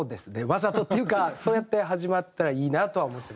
わざとっていうかそうやって始まったらいいなとは思ってました。